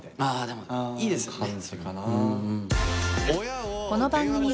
でもいいですよね。